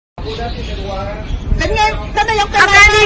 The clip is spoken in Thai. โรงแรมโรงงานสัก๒อันตรี